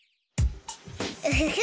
ウフフ。